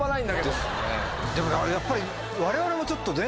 でもやっぱり我々もちょっとね。